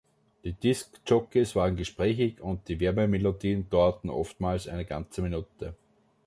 Die Diskjockeys waren gesprächig und die Werbemelodien dauerten oftmals eine ganze Minute.